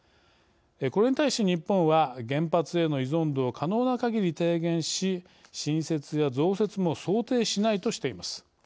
これに対し、日本は原発への依存度を可能なかぎり低減し新設や増設も想定しないとしています。